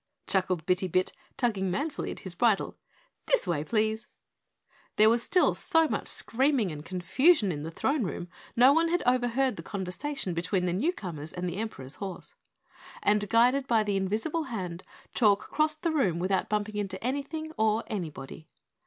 chuckled Bitty Bit, tugging manfully at his bridle, "this way, please." There was still so much screaming and confusion in the Throne Room no one had overheard the conversation between the newcomers and the Emperor's horse, and, guided by the invisible hand, Chalk crossed the room without bumping into anything or anybody.